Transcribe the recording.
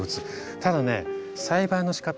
ただね栽培のしかた。